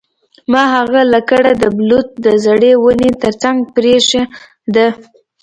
ما هغه لکړه د بلوط د زړې ونې ترڅنګ پریښې ده